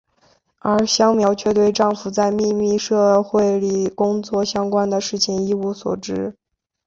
而香苗却对丈夫在秘密社会里工作相关的事情一无所知。